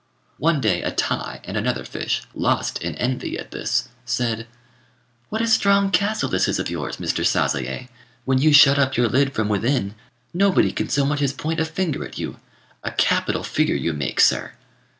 One day a Tai and another fish, lost in envy at this, said "What a strong castle this is of yours, Mr. Sazayé! When you shut up your lid from within, nobody can so much as point a finger at you. A capital figure you make, sir."